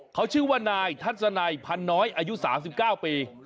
เขาชื่อว่านายทัศนัยพันน้อยอายุ๓๙ปี